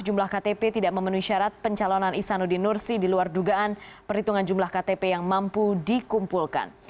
jumlah ktp tidak memenuhi syarat pencalonan isanuddin nursi di luar dugaan perhitungan jumlah ktp yang mampu dikumpulkan